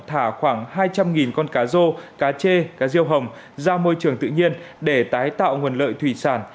thả khoảng hai trăm linh con cá rô cá chê cá riêu hồng ra môi trường tự nhiên để tái tạo nguồn lợi thủy sản